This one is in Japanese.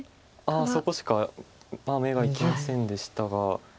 そこしか目がいきませんでしたが。